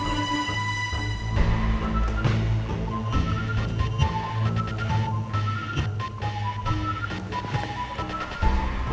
gimana ramah gimana kok